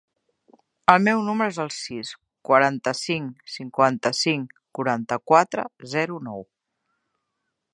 El meu número es el sis, quaranta-cinc, cinquanta-cinc, quaranta-quatre, zero, nou.